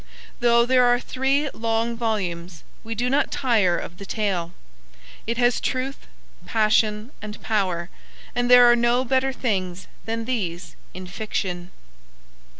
Though there are three long volumes, we do not tire of the tale. It has truth, passion and power, and there are no better things than these in fiction.